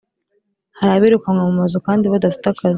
hari abirukanwe mu mazu kandi badafite akazi